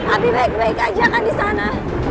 abi baik baik ajakan disana